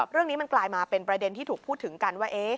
เรื่องนี้มันกลายมาเป็นประเด็นที่ถูกพูดถึงกันว่า